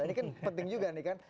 ini kan penting juga nih kan